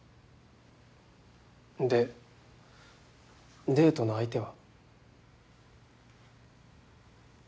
でデートの相手は？